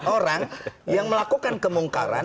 orang yang melakukan kemungkaran